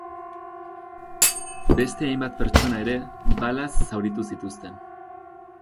Beste hainbat pertsona ere balaz zauritu zituzten.